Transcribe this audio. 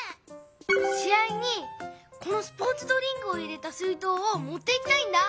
し合にこのスポーツドリンクを入れた水とうをもっていきたいんだ。